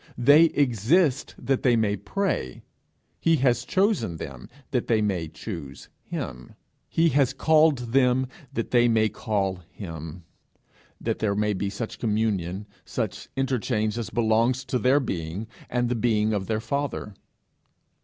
They exist that they may pray; he has chosen them that they may choose him; he has called them that they may call him that there may be such communion, such interchange as belongs to their being and the being of their Father.